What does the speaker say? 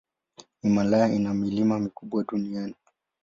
Himalaya ina milima mikubwa duniani.